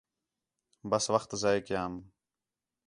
بس وخت ضائع کیام